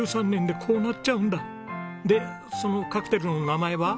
でそのカクテルの名前は？